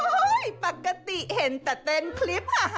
ปกติเห็นแต่เต้นคลิป